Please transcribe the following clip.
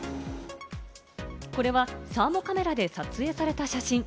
これはサーモカメラで撮影された写真。